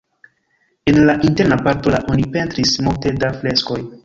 En la interna parto la oni pentris multe da freskoj.